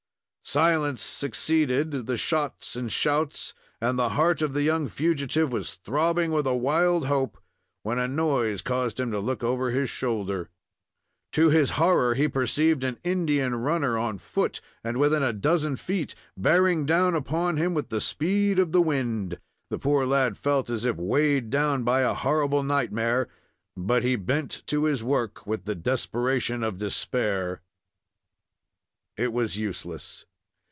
Silence succeeded the shots and shouts, and the heart of the young fugitive was throbbing with a wild hope, when a noise caused him to look over his shoulder. To his horror, he perceived an Indian runner on foot, and within a dozen feet, bearing down upon him with the speed of the wind. The poor lad felt as if weighed down by a horrible nightmare, but he bent to his work with the desperation of despair. It was useless.